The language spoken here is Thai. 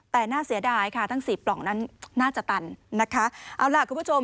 แต่น่าเสียดายค่ะทั้งสี่ปล่องนั้นน่าจะตันนะคะเอาล่ะคุณผู้ชม